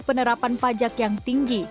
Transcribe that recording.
penerapan pajak yang tinggi